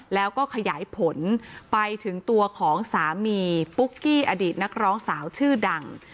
แล้วก็ขยายผลไปถึงตัวของสามีปุ๊กกี้อดีตนักร้องสาวชื่อดัง